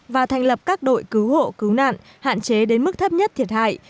và thành lập các đội cứu hộ cứu nạn hạn chế đến mức thấp nhất thiệt hại